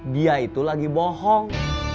dia itu lagi bohong